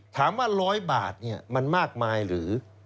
ถามว่า๑๐๐บาทมันมากมายหรือ